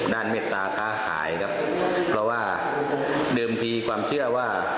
เมตตาค้าขายครับเพราะว่าเดิมทีความเชื่อว่า